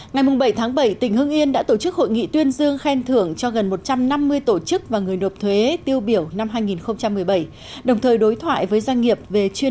ngày bảy tháng bảy tỉnh hưng yên đã tổ chức hội nghị tuyên dương khen thưởng cho gần một trăm năm mươi tổ chức và người nộp thuế